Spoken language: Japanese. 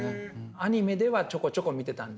アニメではちょこちょこ見てたんですよ。